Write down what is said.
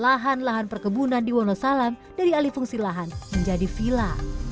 lahan lahan perkebunan di wonosalam dari alih fungsi lahan menjadi vila